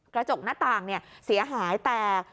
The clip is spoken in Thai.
กระจกหน้าต่างเสียหายแตก